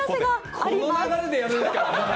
この流れでやるんすか。